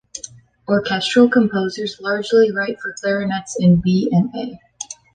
Orchestral composers largely write for clarinets in B and A.